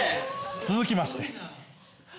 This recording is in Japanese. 続きまして。